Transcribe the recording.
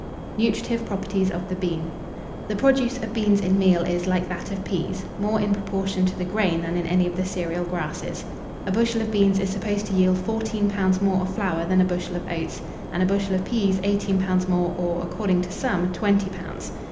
NUTRITIVE PROPERTIES OF THE BEAN. The produce of beans in meal is, like that of peas, more in proportion to the grain than in any of the cereal grasses. A bushel of beans is supposed to yield fourteen pounds more of flour than a bushel of oats; and a bushel of peas eighteen pounds more, or, according to some, twenty pounds.